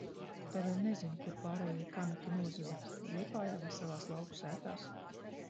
Tādēļ nezinu kur pārējie kanaki nozuda, Liepājā, vai savās lauku sētās?